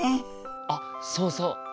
あっそうそう。